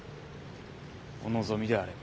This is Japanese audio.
お望みであれば。